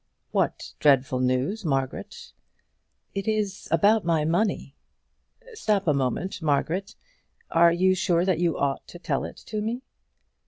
"What dreadful news, Margaret?" "It is about my money." "Stop a moment, Margaret. Are you sure that you ought to tell it to me?"